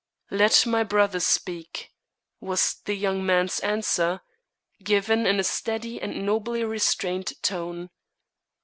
"Let my brother speak," was the young man's answer, given in a steady and nobly restrained tone.